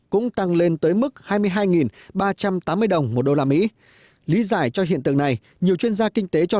cũng tăng lên tới mức hai mươi hai ba trăm tám mươi đồng một đô la mỹ lý giải cho hiện tượng này nhiều chuyên gia kinh tế cho